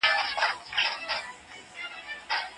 دا کار د ځوانانو ملي شعور لوړوي.